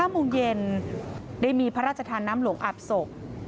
๕โมงเย็นได้มีพระราชทานน้ำหลวงอาบศพ